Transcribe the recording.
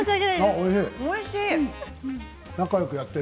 おいしい。